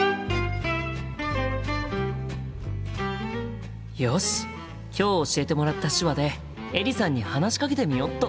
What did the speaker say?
心の声よし今日教えてもらった手話でエリさんに話しかけてみよっと！